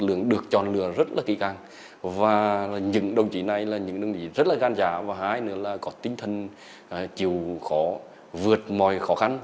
lượng được chọn lựa rất là kỹ càng và những đồng chí này là những đồng chí rất là gan giả và hai nữa là có tinh thần chịu khó vượt mọi khó khăn